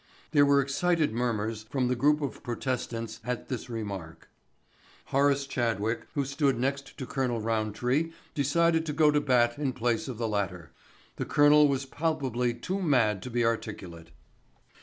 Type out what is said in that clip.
There were excited murmurs from the group of protestants at this remark. Horace Chadwick, who stood next to Colonel Roundtree decided to go to bat in place of the latter. The colonel was palpably too mad to be articulate.